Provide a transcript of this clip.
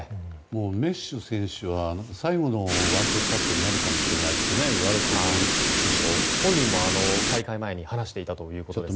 メッシ選手は最後のワールドカップになるかもしれないと本人も、大会前に話していたということです。